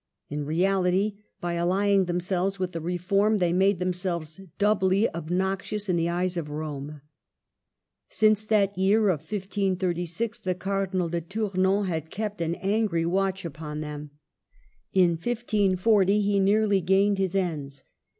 In reality, by allying themselves with the Reform they made themselves doubly obnoxious in the eyes of Rome. Since that year of 1536 the Cardinal de Tour non had kept an angry watch upon them. In 266 MARGARET OF ANGOULAmE. 1540 he nearly gained his ends.